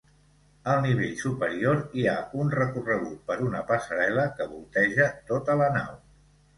Al nivell superior, hi ha un recorregut per una passarel·la que volteja tota la nau.